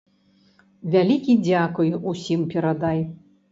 Вялікі дзякуй усім перадай!